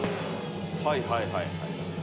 はいはいはい。